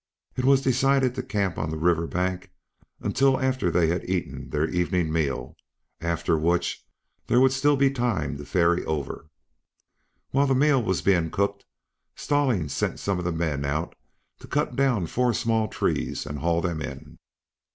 It was decided to camp on the river bank until after they had eaten their evening meal, after which there would still be time to ferry over. While the meal was being cooked Stallings sent some of the men out to cut down four small trees and haul them in.